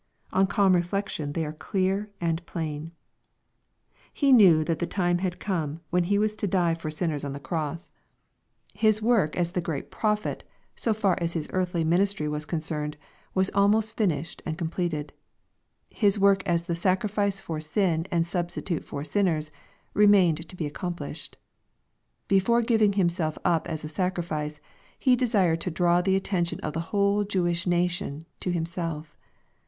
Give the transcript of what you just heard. On calm reflection they are clear and plain. He knew that the time had come when He was to die for sinners on th« 310 EXPOSITORY THOUGHIB. cross. His work as the great Prophet, so far as His earthly ministry was concemed, was almost finished and completed. His work as the sacrifice for sin and sub stitute for sinners, remained to be accomplished. Before giving Himself up as a sacrifice, He desired to draw the attention of the whole Jewish nation to Himself.